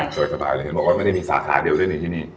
สวยใส่เลยบอกว่าไม่ได้มีสาขาเดียวด้วยที่นี่